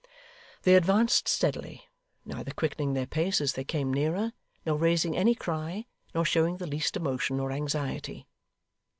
They advanced steadily; neither quickening their pace as they came nearer, nor raising any cry, nor showing the least emotion or anxiety.